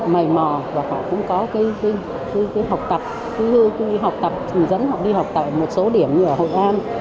mày mò và họ cũng có cái học tập cứ đi học tập dẫn họ đi học tập ở một số điểm như hội an